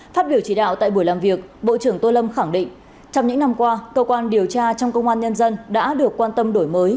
phát biểu chỉ đạo tại buổi làm việc bộ trưởng tô lâm khẳng định trong những năm qua cơ quan điều tra trong công an nhân dân đã được quan tâm đổi mới